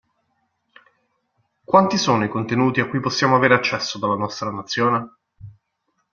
Quanti sono i contenuti a cui possiamo avere accesso dalla nostra nazione?